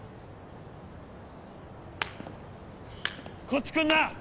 こっち来んな！